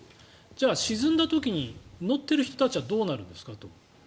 じゃあ、沈んだ時に乗っている人たちはどうなるんですかと。